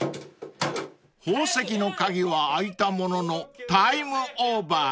［宝石の鍵は開いたもののタイムオーバー！